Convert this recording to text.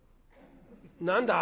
「何だ？」。